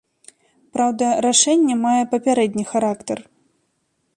Праўда, рашэнне мае папярэдні характар.